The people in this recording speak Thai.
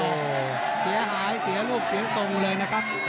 โอ้โหเสียหายเสียลูกเสียทรงเลยนะครับ